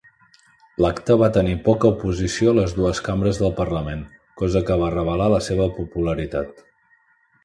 L'acte va tenir poca oposició a les dues cambres del Parlament, cosa que va revelar la seva popularitat.